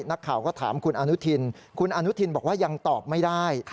นักข่าวก็ถามคุณอนุทินคุณอนุทินบอกว่ายังตอบไม่ได้